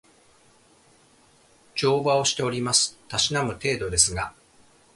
乗馬をしております。たしなむ程度ですが